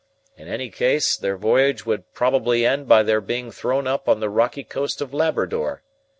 In any case, their voyage would probably end by their being thrown up on the rocky coast of Labrador.